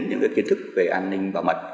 những kiến thức về an ninh bảo mật